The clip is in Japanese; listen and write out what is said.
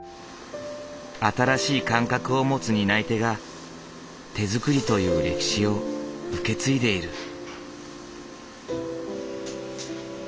新しい感覚を持つ担い手が手作りという歴史を受け継いでいる。